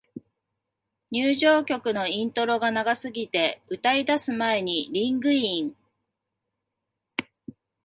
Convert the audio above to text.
入場曲のイントロが長すぎて、歌い出す前にリングイン